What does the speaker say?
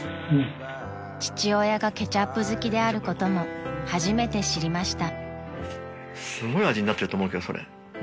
［父親がケチャップ好きであることも初めて知りました］